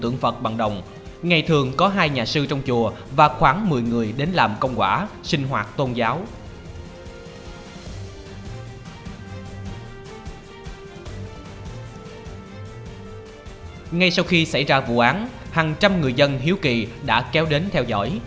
ngay sau khi xảy ra vụ án hàng trăm người dân hiếu kỳ đã kéo đến theo dõi